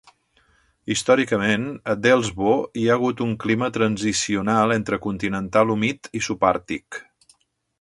Històricament, a Delsbo hi ha hagut un clima transicional entre continental humid i subàrtic.